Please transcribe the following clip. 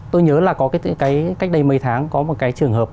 tôi nhớ là có cái cách đây mấy tháng có một cái trường hợp